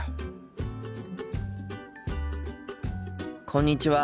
こんにちは。